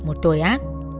một tội ác